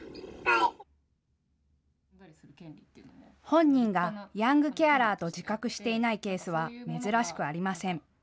本人がヤングケアラーと自覚していないケースは珍しくありません。